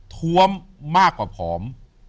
ท้วมมากกว่าผอม